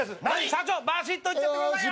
社長ばしっといっちゃってくださいよ！